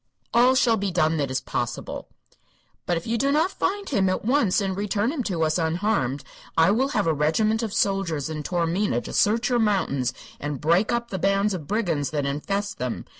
"All shall be done that is possible." "But if you do not find him at once, and return him to us unharmed, I will have a regiment of soldiers in Taormina to search your mountains and break up the bands of brigands that infest them.